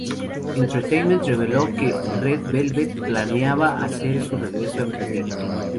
Entertainment reveló que Red Velvet planeaba hacer su regreso en febrero.